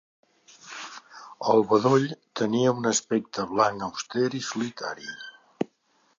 El bedoll tenia un aspecte blanc auster i solitari.